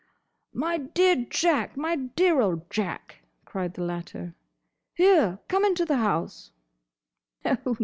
"My dear Jack! My dear old Jack!" cried the latter. "Here! come into the house!"